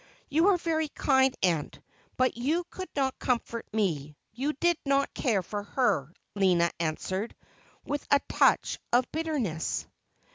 ' You are very kind, Aunt, but you could not comfort me. You did not care for her,' Lina answered, with a touch of bitterness.